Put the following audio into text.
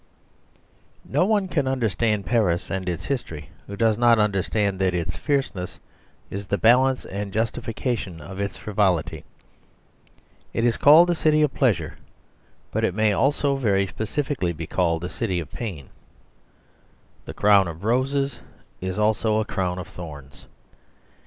No one can understand Paris and its history who does not understand that its fierceness is the balance and justification of its frivolity. It is called a city of pleasure; but it may also very specially be called a city of pain. The crown of roses is also a crown of thorns.